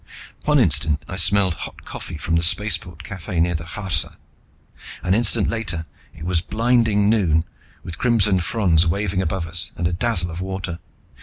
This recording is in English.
One instant I smelled hot coffee from the spaceport cafe near the Kharsa. An instant later it was blinding noon, with crimson fronds waving above us and a dazzle of water.